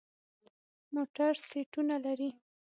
موټر سیټونه لري.